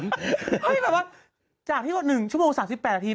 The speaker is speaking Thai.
แบบว่าจากที่ว่า๑ชั่วโมง๓๘นาที